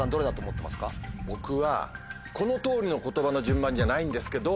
僕はこの通りの言葉の順番じゃないんですけど。